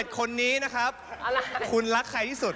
คนนี้นะครับคุณรักใครที่สุด